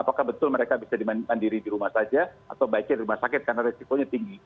apakah betul mereka bisa dimandiri di rumah saja atau baiknya di rumah sakit karena resikonya tinggi